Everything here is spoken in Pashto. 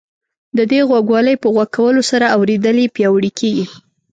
د دې غوږوالیو په غوږ کولو سره اورېدل یې پیاوړي کیږي.